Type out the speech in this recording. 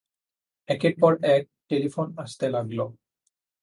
একের পর এক টেলিফোন আসতে লাগল।